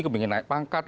kemungkinan naik pangkat